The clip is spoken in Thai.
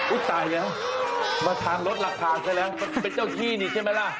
อุ๊ยตายแล้วมาทางลดราคาเสร็จแล้วก็จะเป็นเจ้าที่นี่ใช่ไหมล่ะ